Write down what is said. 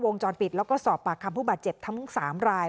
จรปิดแล้วก็สอบปากคำผู้บาดเจ็บทั้ง๓ราย